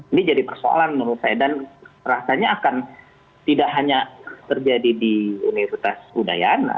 ini jadi persoalan menurut saya dan rasanya akan tidak hanya terjadi di universitas udayana